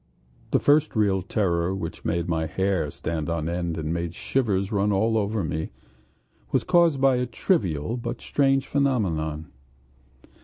The first real terror, which made my hair stand on end and made shivers run all over me, was caused by a trivial but strange phenomenon.